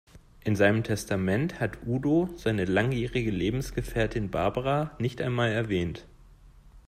In seinem Testament hat Udo seine langjährige Lebensgefährtin Barbara nicht einmal erwähnt.